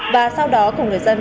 và sau đó cùng người dân